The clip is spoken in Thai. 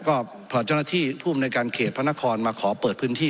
ก็พอเจ้าหน้าที่ผู้อำนวยการเขตพระนครมาขอเปิดพื้นที่